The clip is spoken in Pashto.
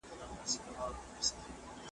زه بې عقل وم چی کسب می خطا کړ .